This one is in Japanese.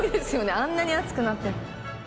あんなに熱くなって。